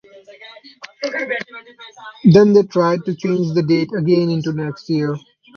Then they tried to change the date again into next year.